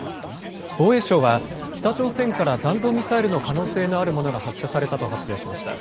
防衛省は北朝鮮から弾道ミサイルの可能性のあるものが発射されたと発表しました。